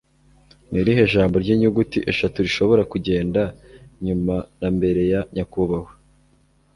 Ni irihe jambo ry'inyuguti eshatu rishobora kugenda nyuma na mbere ya “nyakubahwa”?